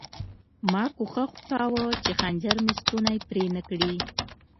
ما کوښښ کاوه چې خنجر مې ستونی پرې نه کړي